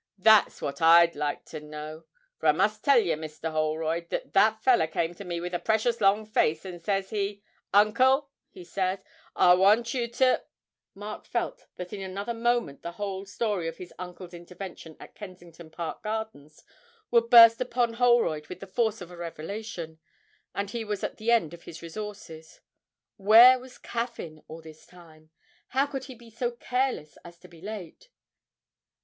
that's what I'd like to know! For I must tell yer, Mr. Holroyd, that that feller came to me with a precious long face, and says he, "Uncle," he says, "I want you to "' Mark felt that in another moment the whole story of his uncle's intervention at Kensington Park Gardens would burst upon Holroyd with the force of a revelation, and he was at the end of his resources. Where was Caffyn all this time? How could he be so careless as to be late?